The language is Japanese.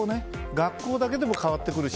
学校だけでも変わってくるし。